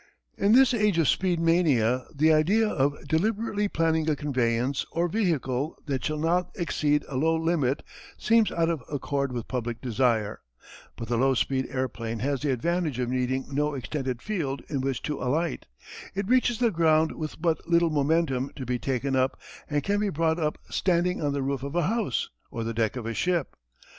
In this age of speed mania the idea of deliberately planning a conveyance or vehicle that shall not exceed a low limit seems out of accord with public desire. But the low speed airplane has the advantage of needing no extended field in which to alight. It reaches the ground with but little momentum to be taken up and can be brought up standing on the roof of a house or the deck of a ship.